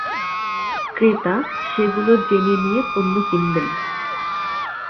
ক্রেতা সেগুলো জেনে নিয়ে পণ্য কিনবেন।